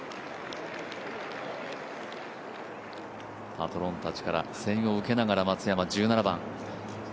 パトロンたちから声援を受けながら松山、１７番。